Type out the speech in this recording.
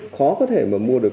khó có thể mà mua được